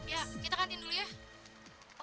cakep lah itu cewek